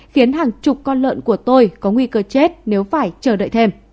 khiến hàng chục con lợn của tôi có nguy cơ chết nếu phải chờ đợi thêm